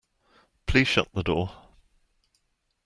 Please shut the door.